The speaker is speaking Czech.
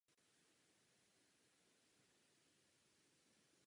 Soustředil se však na Novi Sad.